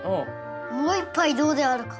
もう一杯どうであるか？